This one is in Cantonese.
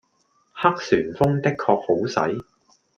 黑旋風的確好使